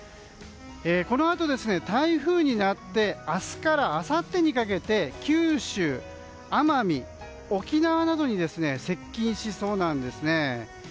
このあと、台風になって明日からあさってにかけて九州、奄美、沖縄などに接近しそうなんですね。